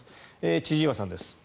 千々岩さんです。